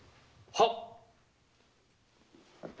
はっ！